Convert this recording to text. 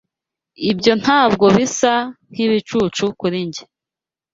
Ibyo ntabwo bisa nkibicucu kuri njye.